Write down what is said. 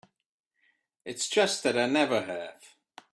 It's just that I never have.